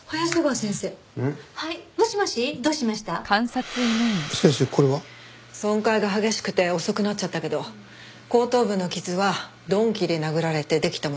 先生これは？損壊が激しくて遅くなっちゃったけど後頭部の傷は鈍器で殴られてできたものでした。